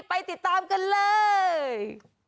ไปติดตามกันเลย